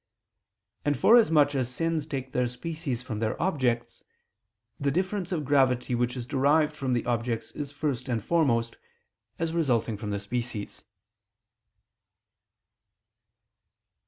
And forasmuch as sins take their species from their objects, the difference of gravity which is derived from the objects is first and foremost, as resulting from the species.